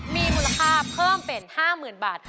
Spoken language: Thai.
มีมูลค่าเพิ่มเป็น๕๐๐๐บาทค่ะ